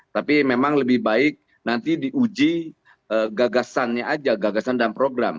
tapi memang lebih baik nanti diuji gagasannya aja gagasan dan program